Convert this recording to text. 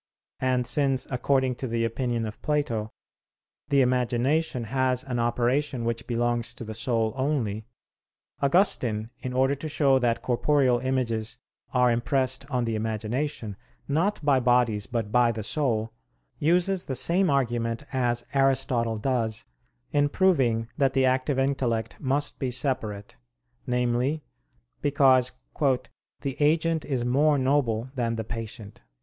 And since, according to the opinion of Plato, the imagination has an operation which belongs to the soul only, Augustine, in order to show that corporeal images are impressed on the imagination, not by bodies but by the soul, uses the same argument as Aristotle does in proving that the active intellect must be separate, namely, because "the agent is more noble than the patient."